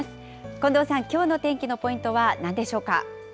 近藤さん、きょうの天気のポイントはなんでしょうか。